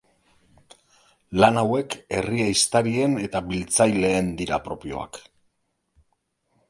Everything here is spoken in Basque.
Lan hauek herri ehiztarien eta biltzaileen dira propioak.